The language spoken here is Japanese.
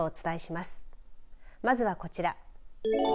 まずは、こちら。